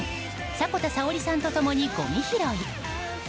迫田さおりさんと共にごみ拾い。